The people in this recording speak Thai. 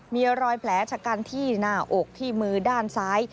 มีรอยแผลชะกันที่หน้าอกที่มือด้านซ้าย